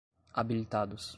habilitados